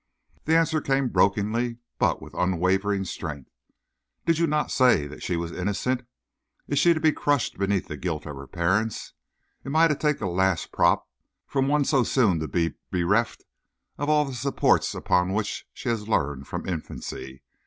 The answer came brokenly, but with unwavering strength: "Did you not say that she was innocent? Is she to be crushed beneath the guilt of her parents? Am I to take the last prop from one so soon to be bereft of all the supports upon which she has leaned from infancy?